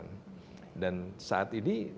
nah saya sedih saat itu